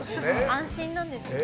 安心なんですね。